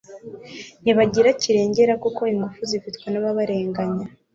ntibagira kirengera kuko ingufu zifitwe n'ababarenganya